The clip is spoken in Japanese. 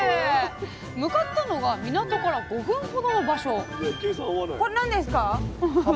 向かったのが港から５分ほどの場所